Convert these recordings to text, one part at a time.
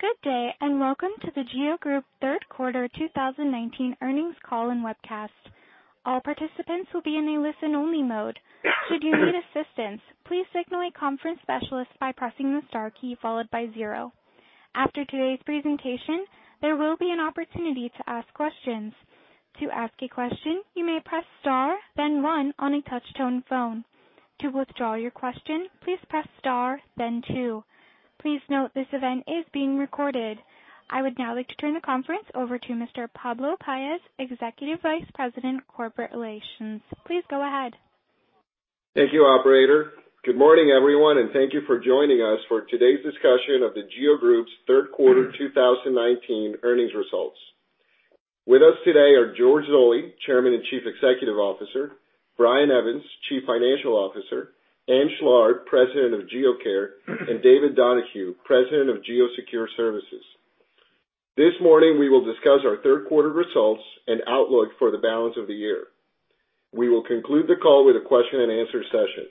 Good day, and welcome to The GEO Group Third Quarter 2019 earnings call and webcast. All participants will be in a listen-only mode. Should you need assistance, please signal a conference specialist by pressing the star key followed by 0. After today's presentation, there will be an opportunity to ask questions. To ask a question, you may press star, then 1 on a touch-tone phone. To withdraw your question, please press star, then 2. Please note this event is being recorded. I would now like to turn the conference over to Mr. Pablo Paez, Executive Vice President, Corporate Relations. Please go ahead. Thank you, operator. Good morning, everyone. Thank you for joining us for today's discussion of The GEO Group's third quarter 2019 earnings results. With us today are George Zoley, Chairman and Chief Executive Officer, Brian Evans, Chief Financial Officer, Ann Schlarb, President of GEO Care, and David Donahue, President of GEO Secure Services. This morning, we will discuss our third quarter results and outlook for the balance of the year. We will conclude the call with a question and answer session.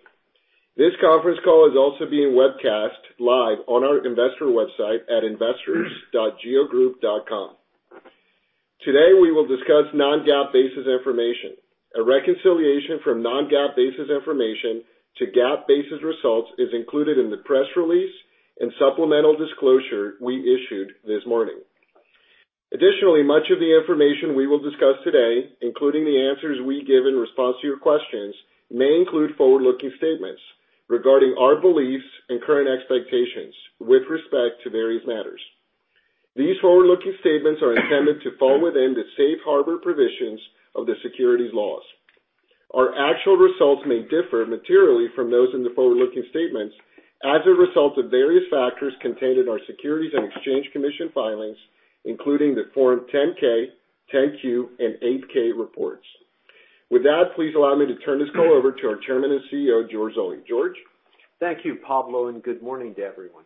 This conference call is also being webcast live on our investor website at investors.geogroup.com. Today, we will discuss non-GAAP basis information. A reconciliation from non-GAAP basis information to GAAP basis results is included in the press release and supplemental disclosure we issued this morning. Additionally, much of the information we will discuss today, including the answers we give in response to your questions, may include forward-looking statements regarding our beliefs and current expectations with respect to various matters. These forward-looking statements are intended to fall within the safe harbor provisions of the securities laws. Our actual results may differ materially from those in the forward-looking statements as a result of various factors contained in our Securities and Exchange Commission filings, including the Form 10-K, 10-Q, and 8-K reports. With that, please allow me to turn this call over to our Chairman and CEO, George Zoley. George? Thank you, Pablo. Good morning to everyone.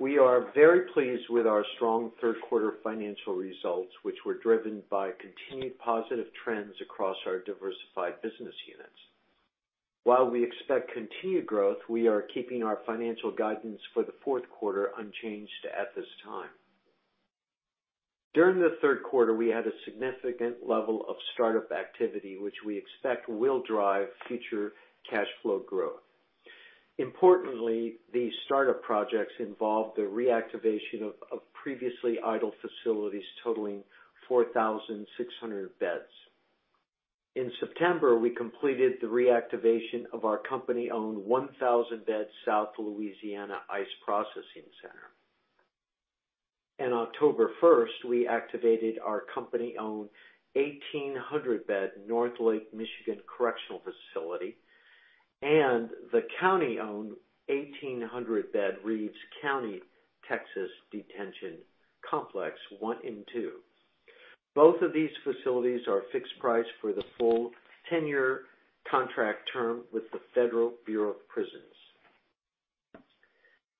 We are very pleased with our strong third quarter financial results, which were driven by continued positive trends across our diversified business units. While we expect continued growth, we are keeping our financial guidance for the fourth quarter unchanged at this time. During the third quarter, we had a significant level of startup activity, which we expect will drive future cash flow growth. Importantly, these startup projects involved the reactivation of previously idle facilities totaling 4,600 beds. In September, we completed the reactivation of our company-owned 1,000-bed South Louisiana ICE Processing Center. On October 1st, we activated our company-owned 1,800-bed North Lake Correctional Facility and the county-owned 1,800-bed Reeves County, Texas Detention Complex I and II. Both of these facilities are fixed price for the full 10-year contract term with the Federal Bureau of Prisons.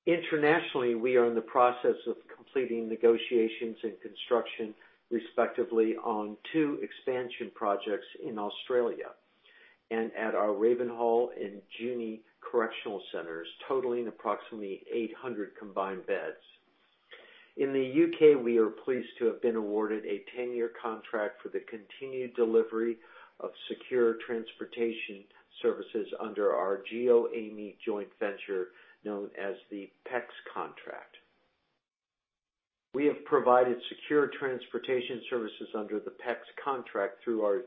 Internationally, we are in the process of completing negotiations and construction, respectively, on two expansion projects in Australia and at our Ravenhall and Junee Correctional Centres, totaling approximately 800 combined beds. In the U.K., we are pleased to have been awarded a 10-year contract for the continued delivery of secure transportation services under our GEOAmey joint venture known as the PECS contract. We have provided secure transportation services under the PECS contract through our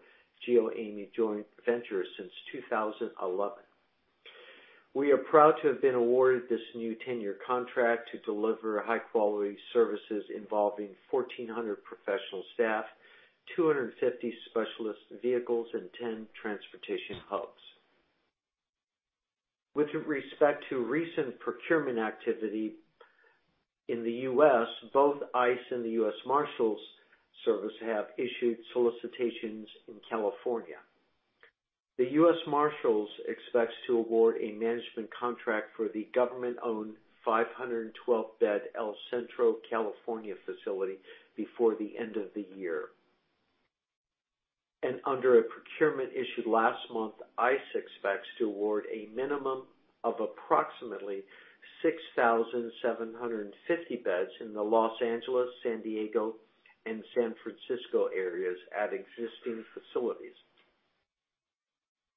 GEOAmey joint venture since 2011. We are proud to have been awarded this new 10-year contract to deliver high-quality services involving 1,400 professional staff, 250 specialist vehicles, and 10 transportation hubs. With respect to recent procurement activity in the U.S., both ICE and the U.S. Marshals Service have issued solicitations in California. The U.S. Marshals expects to award a management contract for the government-owned 512-bed El Centro, California facility before the end of the year. Under a procurement issued last month, ICE expects to award a minimum of approximately 6,750 beds in the Los Angeles, San Diego, and San Francisco areas at existing facilities.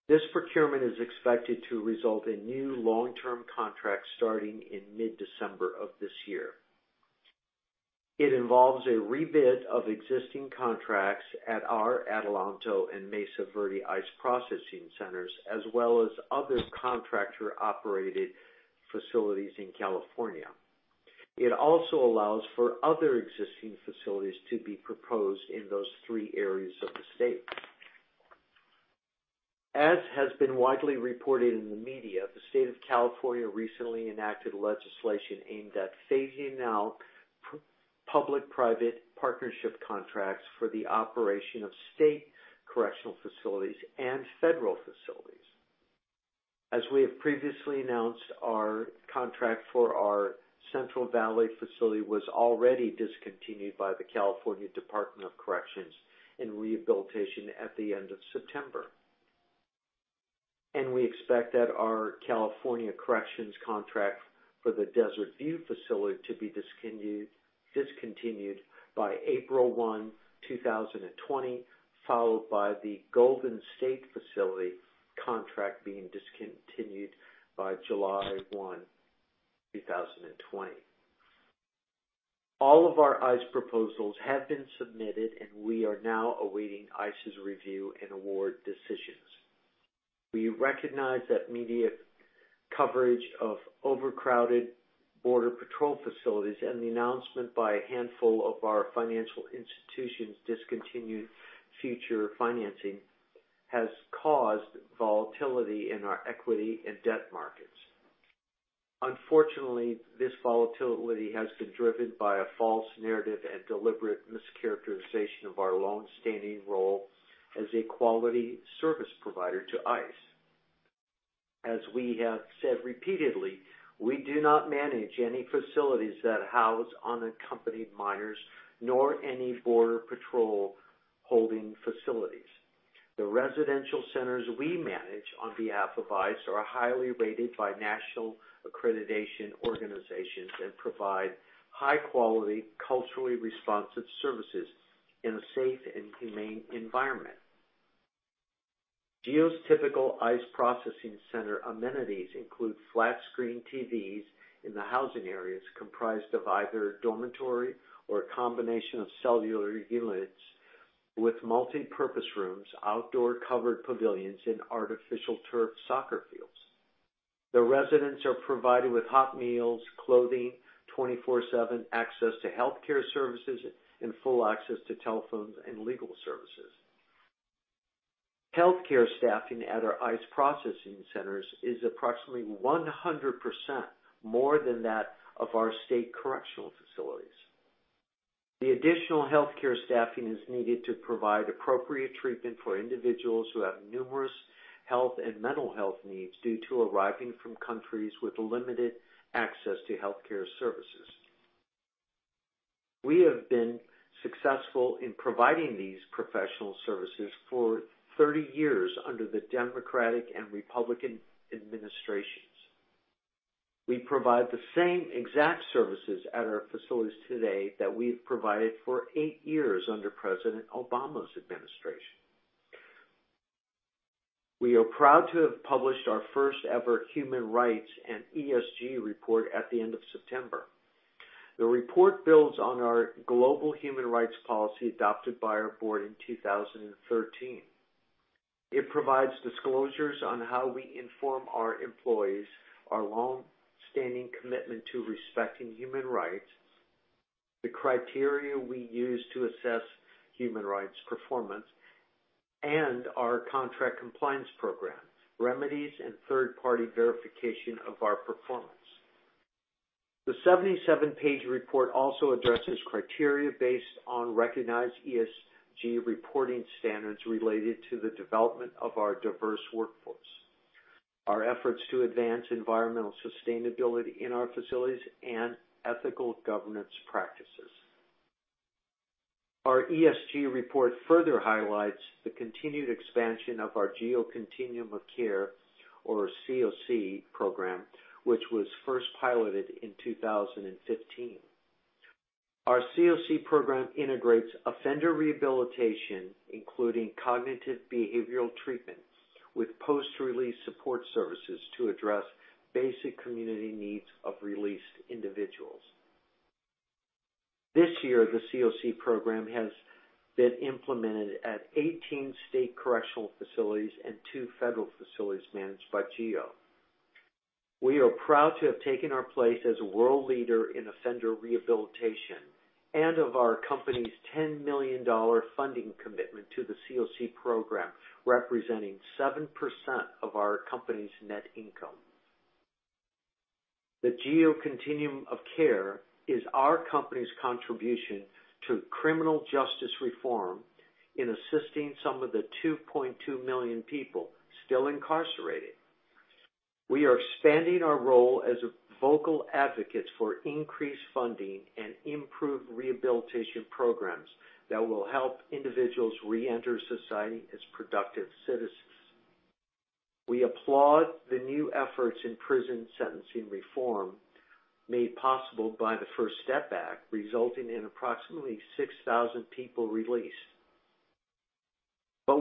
This procurement is expected to result in new long-term contracts starting in mid-December of this year. It involves a rebid of existing contracts at our Adelanto and Mesa Verde ICE processing centers, as well as other contractor-operated facilities in California. It also allows for other existing facilities to be proposed in those three areas of the state. As has been widely reported in the media, the State of California recently enacted legislation aimed at phasing out public-private partnership contracts for the operation of state correctional facilities and federal facilities. As we have previously announced, our contract for our Central Valley facility was already discontinued by the California Department of Corrections and Rehabilitation at the end of September. We expect that our California Corrections contract for the Desert View Facility to be discontinued by April 1, 2020, followed by the Golden State Facility contract being discontinued by July 1, 2020. All of our ICE proposals have been submitted, and we are now awaiting ICE's review and award decisions. We recognize that media coverage of overcrowded border patrol facilities and the announcement by a handful of our financial institutions discontinuing future financing, has caused volatility in our equity and debt markets. Unfortunately, this volatility has been driven by a false narrative and deliberate mischaracterization of our longstanding role as a quality service provider to ICE. As we have said repeatedly, we do not manage any facilities that house unaccompanied minors, nor any border patrol holding facilities. The residential centers we manage on behalf of ICE are highly rated by national accreditation organizations, and provide high-quality, culturally responsive services in a safe and humane environment. GEO's typical ICE processing center amenities include flat-screen TVs in the housing areas comprised of either a dormitory or a combination of cellular units with multipurpose rooms, outdoor covered pavilions, and artificial turf soccer fields. The residents are provided with hot meals, clothing, 24/7 access to healthcare services, and full access to telephones and legal services. Healthcare staffing at our ICE processing centers is approximately 100% more than that of our state correctional facilities. The additional healthcare staffing is needed to provide appropriate treatment for individuals who have numerous health and mental health needs due to arriving from countries with limited access to healthcare services. We have been successful in providing these professional services for 30 years under the Democratic and Republican administrations. We provide the same exact services at our facilities today that we've provided for eight years under President Obama's administration. We are proud to have published our first-ever human rights and ESG report at the end of September. The report builds on our global human rights policy adopted by our board in 2013. It provides disclosures on how we inform our employees, our longstanding commitment to respecting human rights, the criteria we use to assess human rights performance, and our contract compliance programs, remedies, and third-party verification of our performance. The 77-page report also addresses criteria based on recognized ESG reporting standards related to the development of our diverse workforce, our efforts to advance environmental sustainability in our facilities, and ethical governance practices. Our ESG report further highlights the continued expansion of our GEO Continuum of Care, or COC program, which was first piloted in 2015. Our COC program integrates offender rehabilitation, including cognitive behavioral treatment, with post-release support services to address basic community needs of released individuals. This year, the COC program has been implemented at 18 state correctional facilities and two federal facilities managed by GEO. We are proud to have taken our place as a world leader in offender rehabilitation, and of our company's $10 million funding commitment to the COC program, representing 7% of our company's net income. The GEO Continuum of Care is our company's contribution to criminal justice reform in assisting some of the 2.2 million people still incarcerated. We are expanding our role as vocal advocates for increased funding and improved rehabilitation programs that will help individuals reenter society as productive citizens. We applaud the new efforts in prison sentencing reform made possible by the First Step Act, resulting in approximately 6,000 people released.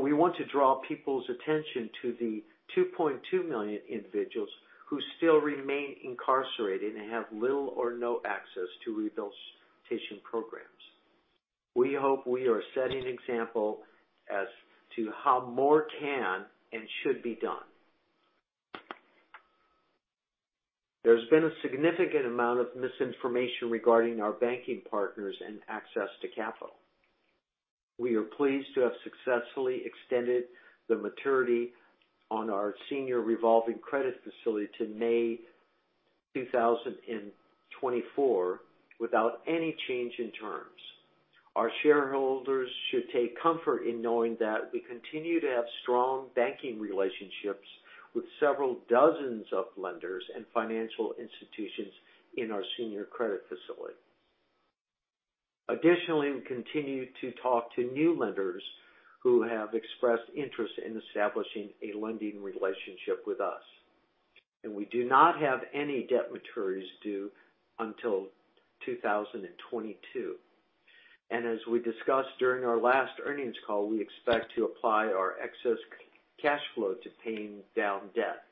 We want to draw people's attention to the 2.2 million individuals who still remain incarcerated and have little or no access to rehabilitation programs. We hope we are setting an example as to how more can and should be done. There's been a significant amount of misinformation regarding our banking partners and access to capital. We are pleased to have successfully extended the maturity on our senior revolving credit facility to May 2024 without any change in terms. Our shareholders should take comfort in knowing that we continue to have strong banking relationships with several dozens of lenders and financial institutions in our senior credit facility. We continue to talk to new lenders who have expressed interest in establishing a lending relationship with us. We do not have any debt maturities due until 2022. As we discussed during our last earnings call, we expect to apply our excess cash flow to paying down debt.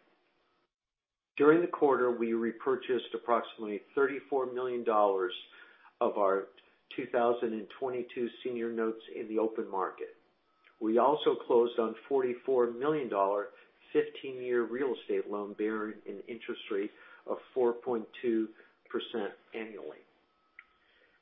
During the quarter, we repurchased approximately $34 million of our 2022 senior notes in the open market. We also closed on a $44 million, 15-year real estate loan bearing an interest rate of 4.2% annually.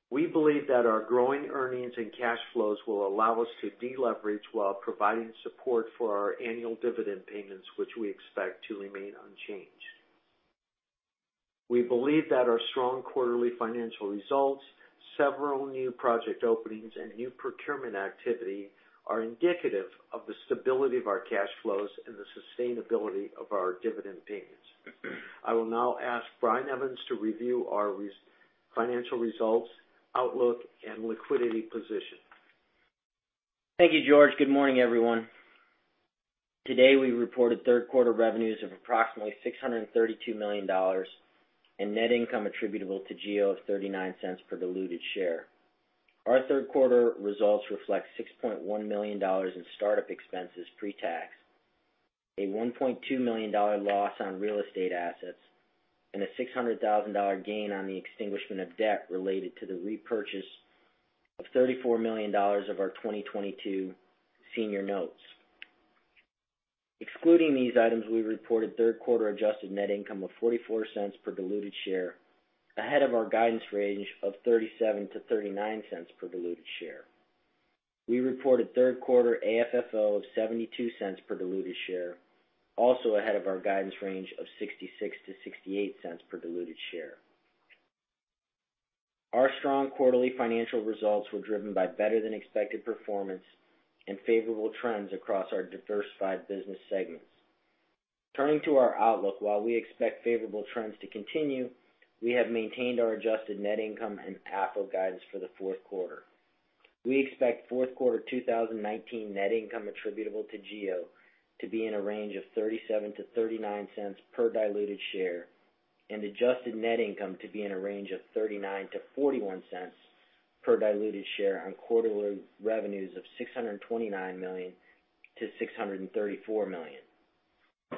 We believe that our growing earnings and cash flows will allow us to de-leverage while providing support for our annual dividend payments, which we expect to remain unchanged. We believe that our strong quarterly financial results, several new project openings, and new procurement activity are indicative of the stability of our cash flows and the sustainability of our dividend payments. I will now ask Brian Evans to review our financial results, outlook, and liquidity position. Thank you, George. Good morning, everyone. Today, we reported third-quarter revenues of approximately $632 million and net income attributable to GEO of $0.39 per diluted share. Our third-quarter results reflect $6.1 million in startup expenses pre-tax, a $1.2 million loss on real estate assets, and a $600,000 gain on the extinguishment of debt related to the repurchase of $34 million of our 2022 senior notes. Excluding these items, we reported third-quarter adjusted net income of $0.44 per diluted share, ahead of our guidance range of $0.37-$0.39 per diluted share. We reported third-quarter AFFO of $0.72 per diluted share, also ahead of our guidance range of $0.66-$0.68 per diluted share. Our strong quarterly financial results were driven by better-than-expected performance and favorable trends across our diversified business segments. Turning to our outlook, while we expect favorable trends to continue, we have maintained our adjusted net income and AFFO guidance for the fourth quarter. We expect fourth-quarter 2019 net income attributable to GEO to be in a range of $0.37-$0.39 per diluted share and adjusted net income to be in a range of $0.39-$0.41 per diluted share on quarterly revenues of $629 million-$634 million.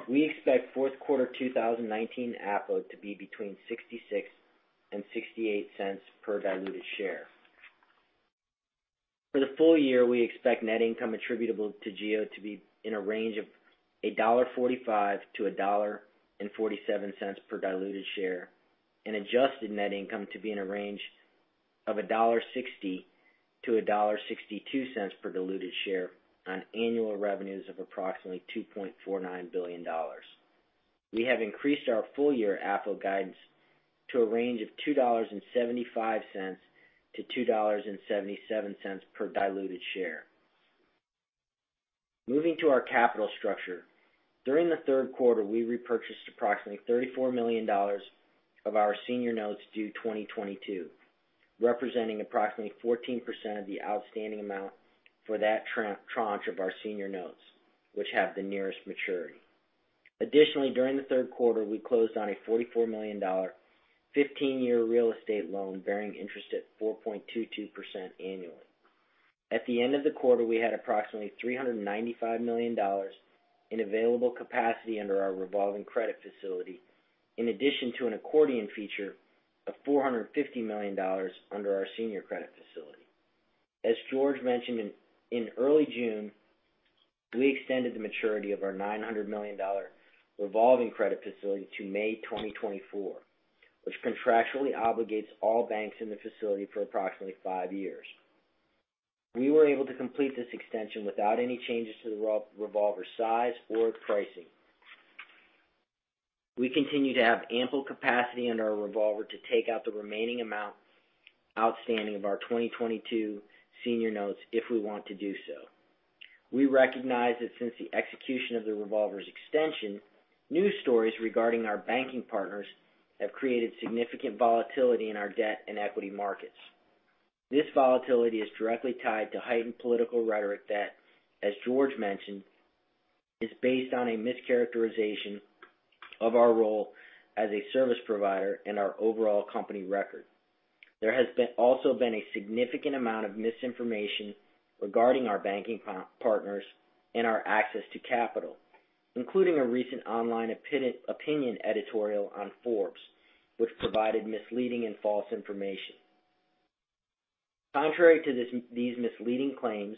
We expect fourth-quarter 2019 AFFO to be between $0.66 and $0.68 per diluted share. For the full year, we expect net income attributable to GEO to be in a range of $1.45-$1.47 per diluted share and adjusted net income to be in a range of $1.60-$1.62 per diluted share on annual revenues of approximately $2.49 billion. We have increased our full-year AFFO guidance to a range of $2.75 to $2.77 per diluted share. Moving to our capital structure. During the third quarter, we repurchased approximately $34 million of our senior notes due 2022, representing approximately 14% of the outstanding amount for that tranche of our senior notes, which have the nearest maturity. Additionally, during the third quarter, we closed on a $44 million, 15-year real estate loan bearing interest at 4.22% annually. At the end of the quarter, we had approximately $395 million in available capacity under our revolving credit facility, in addition to an accordion feature of $450 million under our senior credit facility. As George mentioned, in early June, we extended the maturity of our $900 million revolving credit facility to May 2024, which contractually obligates all banks in the facility for approximately five years. We were able to complete this extension without any changes to the revolver size or pricing. We continue to have ample capacity in our revolver to take out the remaining amount outstanding of our 2022 senior notes if we want to do so. We recognize that since the execution of the revolver's extension, news stories regarding our banking partners have created significant volatility in our debt and equity markets. This volatility is directly tied to heightened political rhetoric that, as George mentioned, is based on a mischaracterization of our role as a service provider and our overall company record. There has also been a significant amount of misinformation regarding our banking partners and our access to capital, including a recent online opinion editorial on Forbes, which provided misleading and false information. Contrary to these misleading claims,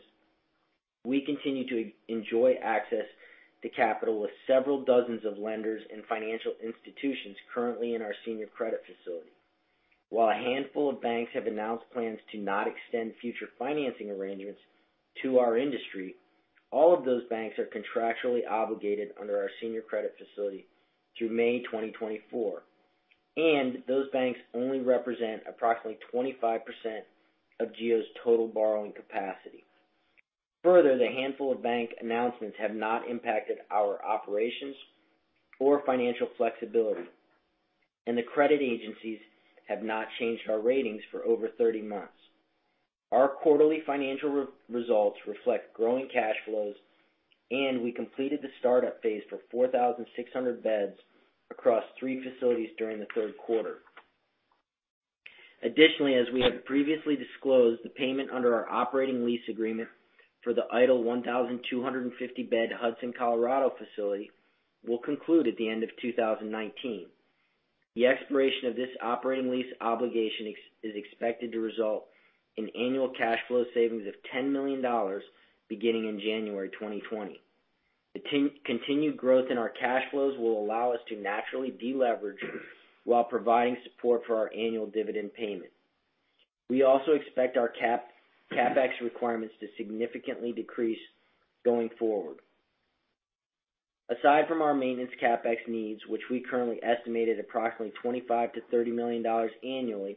we continue to enjoy access to capital with several dozens of lenders and financial institutions currently in our senior credit facility. While a handful of banks have announced plans to not extend future financing arrangements to our industry, all of those banks are contractually obligated under our senior credit facility through May 2024, and those banks only represent approximately 25% of GEO's total borrowing capacity. Further, the handful of bank announcements have not impacted our operations or financial flexibility, and the credit agencies have not changed our ratings for over 30 months. Our quarterly financial results reflect growing cash flows, and we completed the startup phase for 4,600 beds across three facilities during the third quarter. Additionally, as we have previously disclosed, the payment under our operating lease agreement for the idle 1,250-bed Hudson, Colorado facility will conclude at the end of 2019. The expiration of this operating lease obligation is expected to result in annual cash flow savings of $10 million beginning in January 2020. The continued growth in our cash flows will allow us to naturally de-leverage while providing support for our annual dividend payment. We also expect our CapEx requirements to significantly decrease going forward. Aside from our maintenance CapEx needs, which we currently estimate at approximately $25 million-$30 million annually,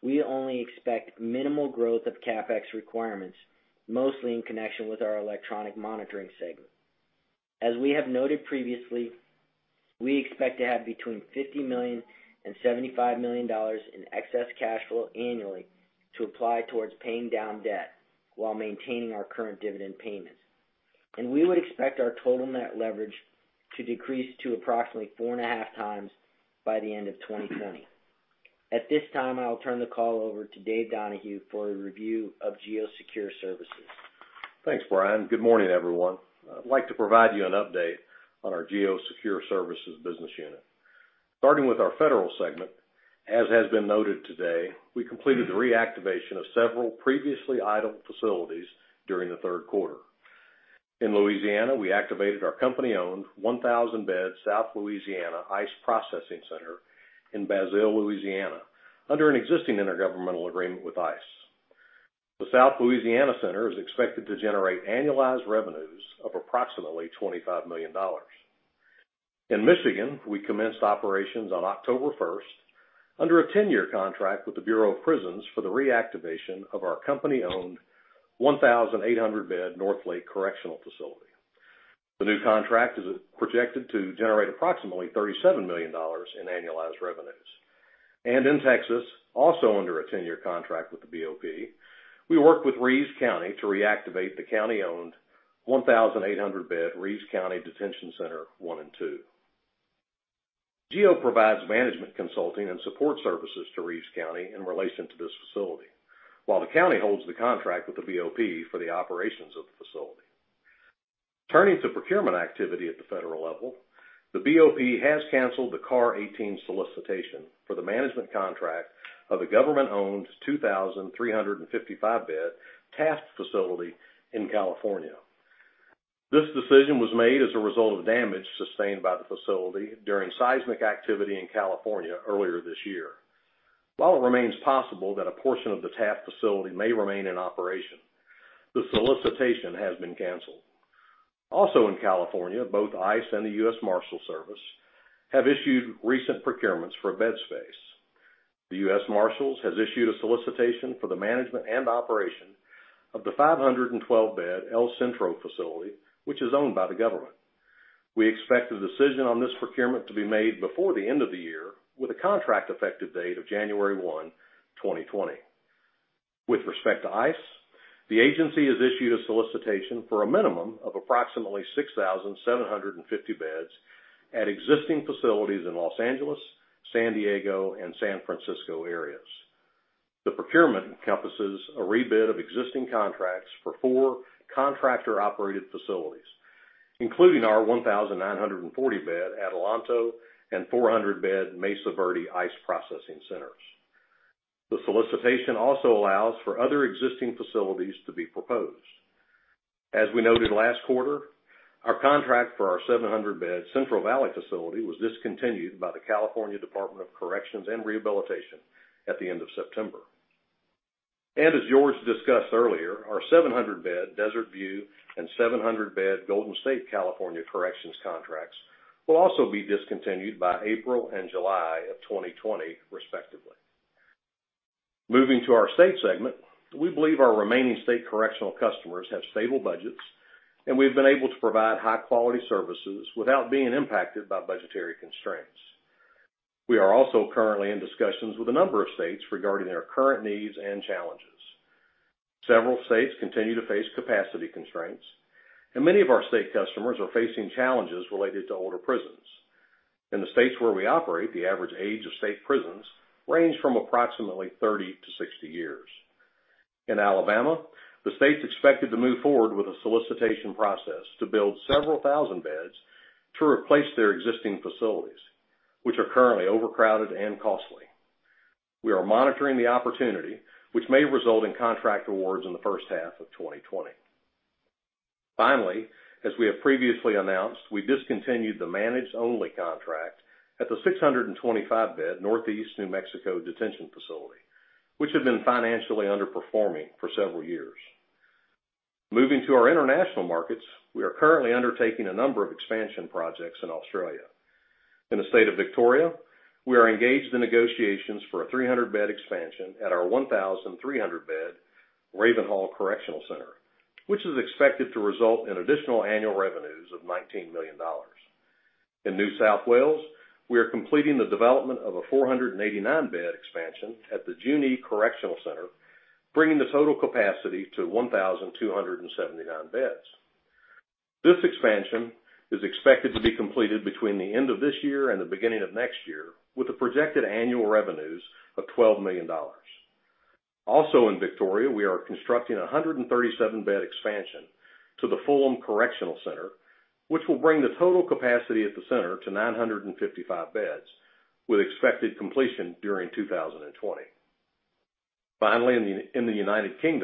we only expect minimal growth of CapEx requirements, mostly in connection with our electronic monitoring segment. As we have noted previously, we expect to have between $50 million and $75 million in excess cash flow annually to apply towards paying down debt while maintaining our current dividend payments. We would expect our total net leverage to decrease to approximately 4.5x by the end of 2020. At this time, I'll turn the call over to David Donahue for a review of GEO Secure Services. Thanks, Brian. Good morning, everyone. I'd like to provide you an update on our GEO Secure Services business unit. Starting with our federal segment, as has been noted today, we completed the reactivation of several previously idle facilities during the third quarter. In Louisiana, we activated our company-owned 1,000-bed South Louisiana ICE Processing Center in Basile, Louisiana, under an existing intergovernmental agreement with ICE. The South Louisiana Center is expected to generate annualized revenues of approximately $25 million. In Michigan, we commenced operations on October 1st under a 10-year contract with the Bureau of Prisons for the reactivation of our company-owned 1,800-bed North Lake Correctional Facility. The new contract is projected to generate approximately $37 million in annualized revenues. In Texas, also under a 10-year contract with the BOP, we worked with Reeves County to reactivate the county-owned 1,800-bed Reeves County Detention Center I & II. GEO provides management consulting and support services to Reeves County in relation to this facility, while the county holds the contract with the BOP for the operations of the facility. Turning to procurement activity at the federal level, the BOP has canceled the CAR 18 solicitation for the management contract of the government-owned 2,355-bed Taft Facility in California. This decision was made as a result of damage sustained by the facility during seismic activity in California earlier this year. While it remains possible that a portion of the Taft Facility may remain in operation, the solicitation has been canceled. Also in California, both ICE and the U.S. Marshals Service have issued recent procurements for bed space. The U.S. Marshals has issued a solicitation for the management and operation of the 512-bed El Centro facility, which is owned by the government. We expect a decision on this procurement to be made before the end of the year, with a contract effective date of January 1, 2020. With respect to ICE, the agency has issued a solicitation for a minimum of approximately 6,750 beds at existing facilities in Los Angeles, San Diego, and San Francisco areas. The procurement encompasses a rebid of existing contracts for four contractor-operated facilities, including our 1,940-bed Adelanto and 400-bed Mesa Verde ICE processing centers. The solicitation also allows for other existing facilities to be proposed. As we noted last quarter, our contract for our 700-bed Central Valley facility was discontinued by the California Department of Corrections and Rehabilitation at the end of September. As George discussed earlier, our 700-bed Desert View and 700-bed Golden State California corrections contracts will also be discontinued by April and July of 2020, respectively. Moving to our state segment, we believe our remaining state correctional customers have stable budgets, we've been able to provide high-quality services without being impacted by budgetary constraints. We are also currently in discussions with a number of states regarding their current needs and challenges. Several states continue to face capacity constraints, many of our state customers are facing challenges related to older prisons. In the states where we operate, the average age of state prisons range from approximately 30-60 years. In Alabama, the state's expected to move forward with a solicitation process to build several thousand beds to replace their existing facilities, which are currently overcrowded and costly. We are monitoring the opportunity, which may result in contract awards in the first half of 2020. Finally, as we have previously announced, we discontinued the manage-only contract at the 625-bed Northeast New Mexico Detention Facility, which had been financially underperforming for several years. Moving to our international markets, we are currently undertaking a number of expansion projects in Australia. In the state of Victoria, we are engaged in negotiations for a 300-bed expansion at our 1,300-bed Ravenhall Correctional Centre, which is expected to result in additional annual revenues of $19 million. In New South Wales, we are completing the development of a 489-bed expansion at the Junee Correctional Centre, bringing the total capacity to 1,279 beds. This expansion is expected to be completed between the end of this year and the beginning of next year, with the projected annual revenues of $12 million. Also in Victoria, we are constructing a 137-bed expansion to the Fulham Correctional Centre, which will bring the total capacity at the center to 955 beds, with expected completion during 2020. Finally, in the U.K.,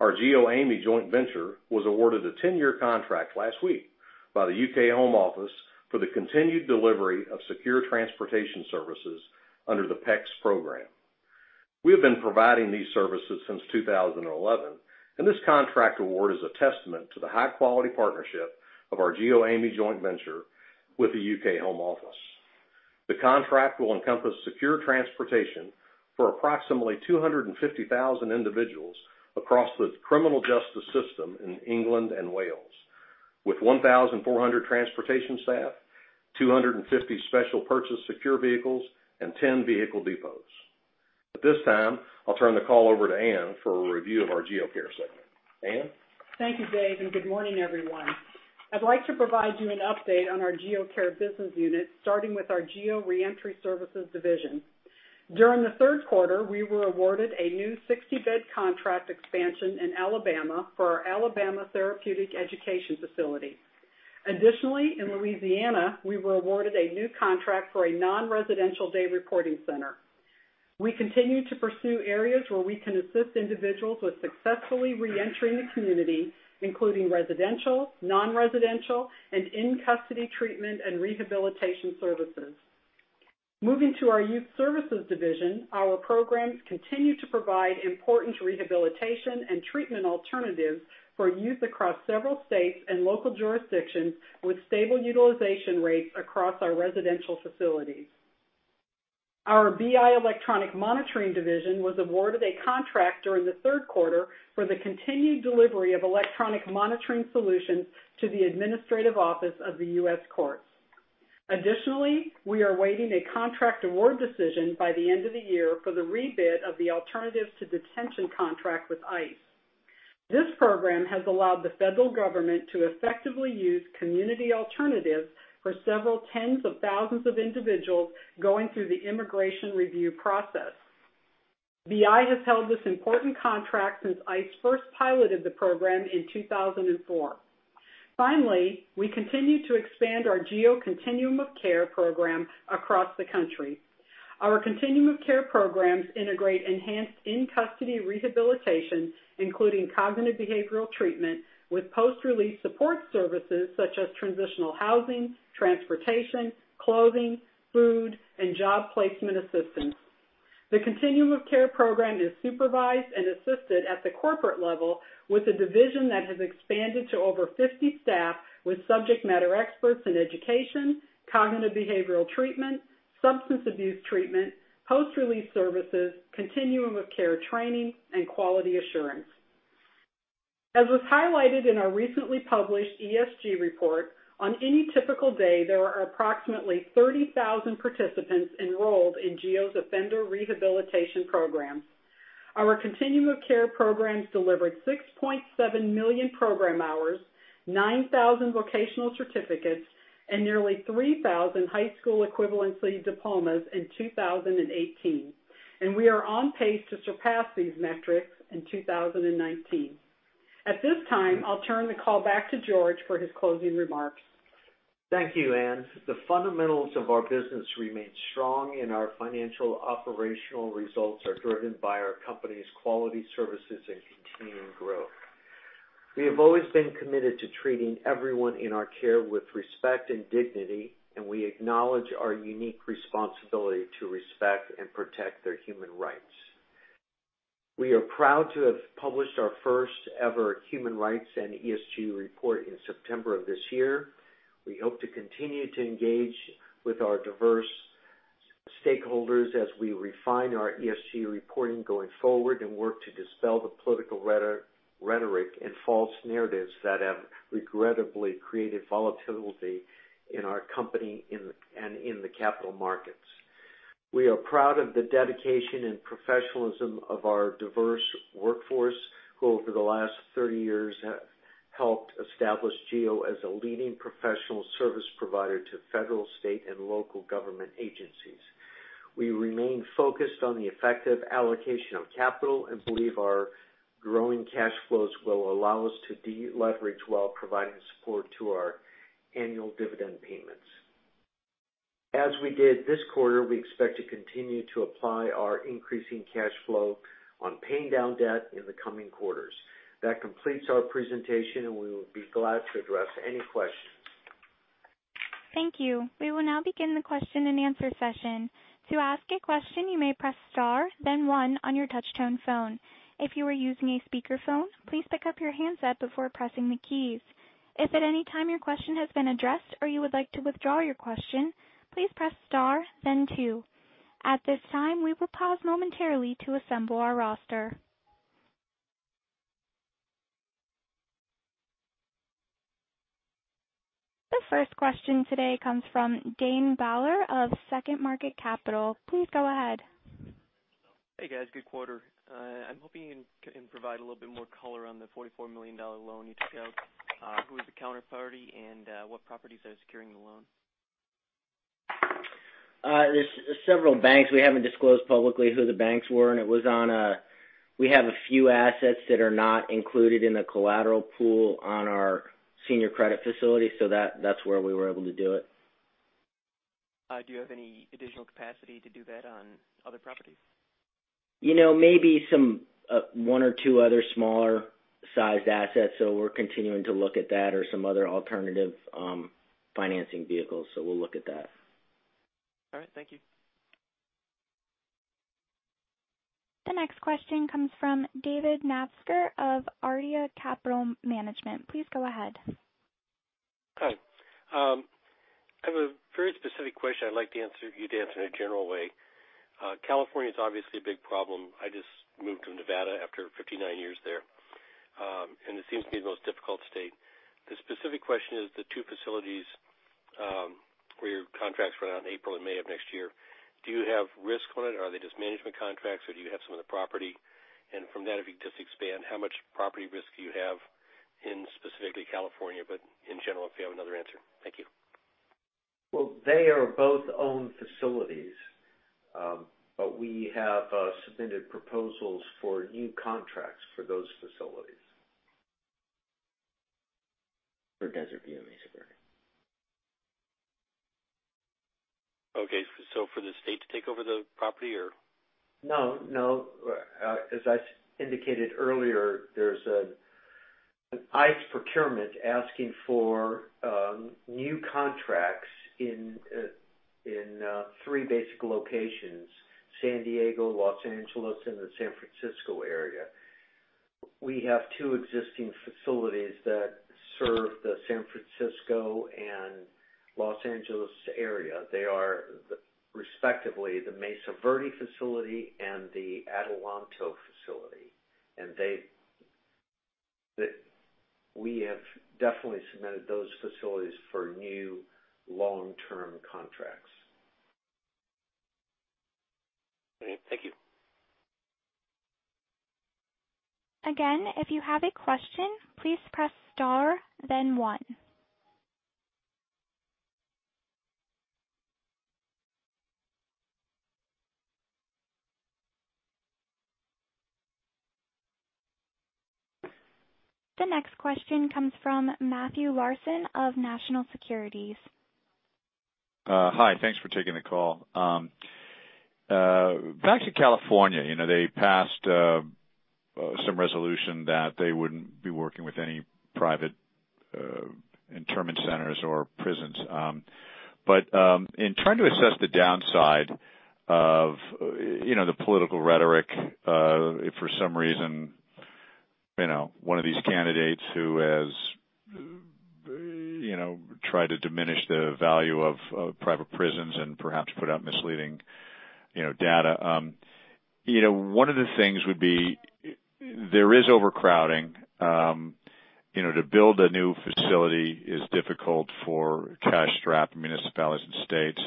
our GEOAmey joint venture was awarded a 10-year contract last week by the UK Home Office for the continued delivery of secure transportation services under the PECS program. We have been providing these services since 2011, and this contract award is a testament to the high-quality partnership of our GEOAmey joint venture with the UK Home Office. The contract will encompass secure transportation for approximately 250,000 individuals across the criminal justice system in England and Wales, with 1,400 transportation staff, 250 special-purchase secure vehicles, and 10 vehicle depots. At this time, I'll turn the call over to Ann for a review of our GEO Care segment. Ann? Thank you, Dave, and good morning, everyone. I'd like to provide you an update on our GEO Care business unit, starting with our GEO Reentry Services division. During the third quarter, we were awarded a new 60-bed contract expansion in Alabama for our Alabama Therapeutic Education Facility. Additionally, in Louisiana, we were awarded a new contract for a non-residential day reporting center. We continue to pursue areas where we can assist individuals with successfully reentering the community, including residential, non-residential, and in-custody treatment and rehabilitation services. Moving to our youth services division, our programs continue to provide important rehabilitation and treatment alternatives for youth across several states and local jurisdictions with stable utilization rates across our residential facilities. Our BI Electronic Monitoring division was awarded a contract during the third quarter for the continued delivery of electronic monitoring solutions to the administrative office of the U.S. courts. Additionally, we are awaiting a contract award decision by the end of the year for the rebid of the Alternatives to Detention contract with ICE. This program has allowed the federal government to effectively use community alternatives for several tens of thousands of individuals going through the immigration review process. BI has held this important contract since ICE first piloted the program in 2004. Finally, we continue to expand our GEO Continuum of Care program across the country. Our Continuum of Care programs integrate enhanced in-custody rehabilitation, including cognitive behavioral treatment, with post-release support services such as transitional housing, transportation, clothing, food, and job placement assistance. The Continuum of Care program is supervised and assisted at the corporate level with a division that has expanded to over 50 staff with subject matter experts in education, cognitive behavioral treatment, substance abuse treatment, post-release services, Continuum of Care training, and quality assurance. As was highlighted in our recently published ESG report, on any typical day, there are approximately 30,000 participants enrolled in GEO's offender rehabilitation programs. Our Continuum of Care programs delivered 6.7 million program hours, 9,000 vocational certificates, and nearly 3,000 high school equivalency diplomas in 2018, and we are on pace to surpass these metrics in 2019. At this time, I'll turn the call back to George for his closing remarks. Thank you, Ann. The fundamentals of our business remain strong, our financial operational results are driven by our company's quality services and continuing growth. We have always been committed to treating everyone in our care with respect and dignity, we acknowledge our unique responsibility to respect and protect their human rights. We are proud to have published our first-ever Human Rights and ESG report in September of this year. We hope to continue to engage with our diverse stakeholders as we refine our ESG reporting going forward, work to dispel the political rhetoric and false narratives that have regrettably created volatility in our company and in the capital markets. We are proud of the dedication and professionalism of our diverse workforce, who over the last 30 years have helped establish GEO as a leading professional service provider to federal, state, and local government agencies. We remain focused on the effective allocation of capital and believe our growing cash flows will allow us to deleverage while providing support to our annual dividend payments. As we did this quarter, we expect to continue to apply our increasing cash flow on paying down debt in the coming quarters. That completes our presentation, we will be glad to address any questions. Thank you. We will now begin the question-and-answer session. To ask a question, you may press star then one on your touchtone phone. If you are using a speakerphone, please pick up your handset before pressing the keys. If at any time your question has been addressed or you would like to withdraw your question, please press star then two. At this time, we will pause momentarily to assemble our roster. The first question today comes from Dane Bowler of 2nd Market Capital. Please go ahead. Hey, guys. Good quarter. I'm hoping you can provide a little bit more color on the $44 million loan you took out. Who is the counterparty, and what properties are securing the loan? There's several banks. We haven't disclosed publicly who the banks were. We have a few assets that are not included in the collateral pool on our senior credit facility. That's where we were able to do it. Do you have any additional capacity to do that on other properties? Maybe one or two other smaller sized assets. We're continuing to look at that or some other alternative financing vehicles. We'll look at that. All right. Thank you. The next question comes from David [Napsker] of [Ardea] Capital Management. Please go ahead. Hi. I have a very specific question I'd like you to answer in a general way. California's obviously a big problem. I just moved to Nevada after 59 years there, and it seems to be the most difficult state. The specific question is the two facilities, where your contracts run out in April and May of next year. Do you have risk on it, or are they just management contracts, or do you have some of the property? From that, if you could just expand how much property risk do you have in specifically California, but in general, if you have another answer. Thank you. They are both owned facilities, but we have submitted proposals for new contracts for those facilities. For Desert View and Mesa Verde. Okay. For the state to take over the property or? No. As I indicated earlier, there is an ICE procurement asking for new contracts in three basic locations, San Diego, Los Angeles, and the San Francisco area. We have two existing facilities that serve the San Francisco and Los Angeles area. They are respectively the Mesa Verde facility and the Adelanto facility, and we have definitely submitted those facilities for new long-term contracts. Okay. Thank you. Again, if you have a question, please press star, then one. The next question comes from Matthew Larson of National Securities. Hi. Thanks for taking the call. Back to California. They passed some resolution that they wouldn't be working with any private internment centers or prisons. In trying to assess the downside of the political rhetoric, if for some reason one of these candidates who has tried to diminish the value of private prisons and perhaps put out misleading data. One of the things would be, there is overcrowding. To build a new facility is difficult for cash-strapped municipalities and states.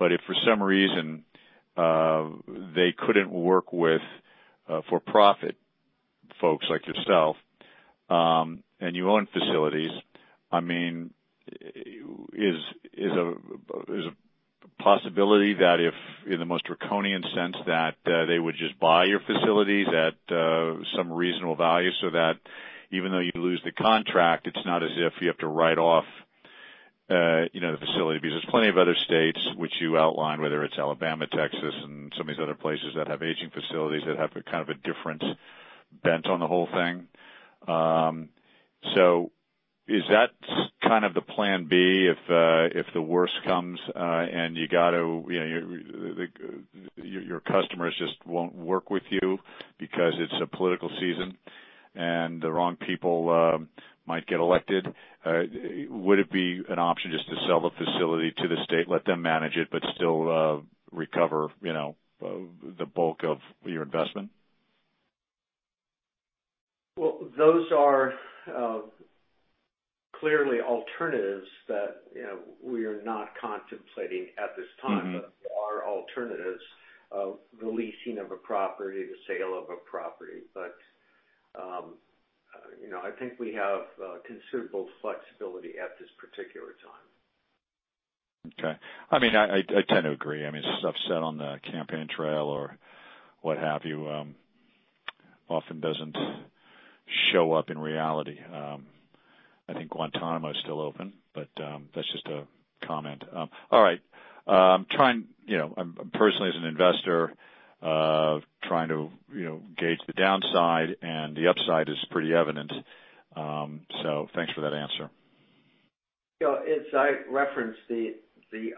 If for some reason, they couldn't work with for-profit folks like yourself, and you own facilities, is it a possibility that if, in the most draconian sense, that they would just buy your facility at some reasonable value so that even though you lose the contract, it's not as if you have to write off the facility? There's plenty of other states which you outlined, whether it's Alabama, Texas, and some of these other places that have aging facilities that have a different bent on the whole thing. Is that kind of the plan B if the worst comes, and your customers just won't work with you because it's a political season, and the wrong people might get elected? Would it be an option just to sell the facility to the state, let them manage it, but still recover the bulk of your investment? Well, those are clearly alternatives that we are not contemplating at this time. There are alternatives of the leasing of a property, the sale of a property. I think we have considerable flexibility at this particular time. Okay. I tend to agree. Stuff said on the campaign trail or what have you, often doesn't show up in reality. I think Guantanamo is still open, but that's just a comment. All right. Personally, as an investor, trying to gauge the downside, and the upside is pretty evident, so thanks for that answer. As I referenced, the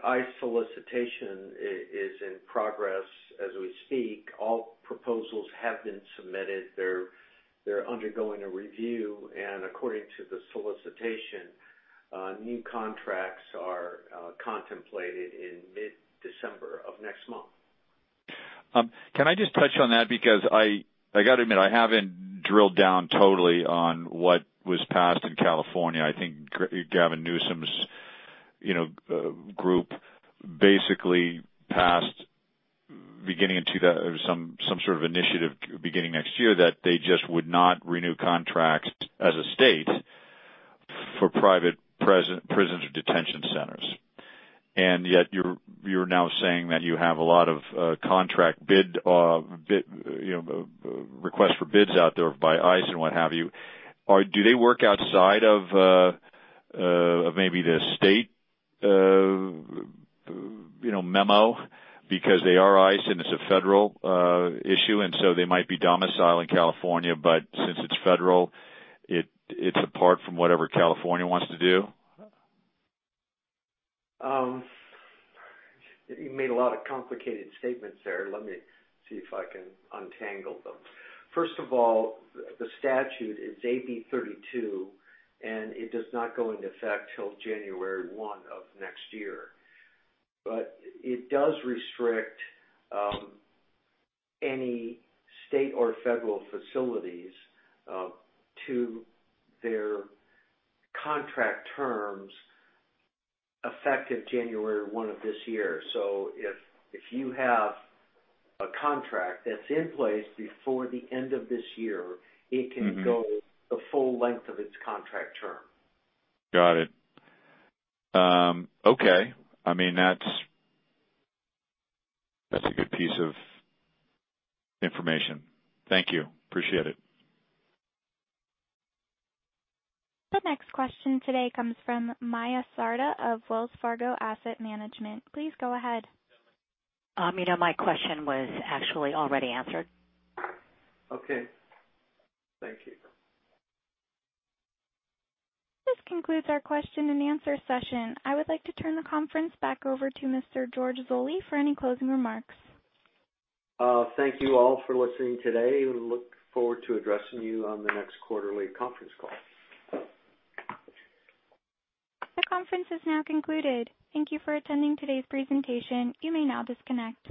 ICE solicitation is in progress as we speak. All proposals have been submitted. They're undergoing a review, and according to the solicitation, new contracts are contemplated in mid-December of next month. Can I just touch on that? Because I got to admit, I haven't drilled down totally on what was passed in California. I think Gavin Newsom's group basically passed some sort of initiative beginning next year that they just would not renew contracts as a state for private prisons or detention centers. Yet you're now saying that you have a lot of contract requests for bids out there by ICE and what have you. Do they work outside of maybe the state memo because they are ICE, and it's a federal issue, and so they might be domiciled in California, but since it's federal, it's apart from whatever California wants to do? You made a lot of complicated statements there. Let me see if I can untangle them. First of all, the statute is AB 32. It does not go into effect till January 1 of next year. It does restrict any state or federal facilities to their contract terms effective January 1 of this year. If you have a contract that's in place before the end of this year, it can go the full length of its contract term. Got it. Okay. That's a good piece of information. Thank you. Appreciate it. The next question today comes from Maya Sarda of Wells Fargo Asset Management. Please go ahead. My question was actually already answered. Okay. Thank you. This concludes our question and answer session. I would like to turn the conference back over to Mr. George Zoley for any closing remarks. Thank you all for listening today. We look forward to addressing you on the next quarterly conference call. The conference is now concluded. Thank you for attending today's presentation. You may now disconnect.